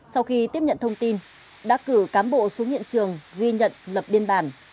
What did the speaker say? sau khi tiếp nhận thông tin đã cử cán bộ xuống hiện trường ghi nhận lập biên bản